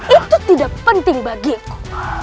itu tidak penting bagiku